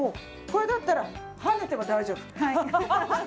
これだったら跳ねても大丈夫。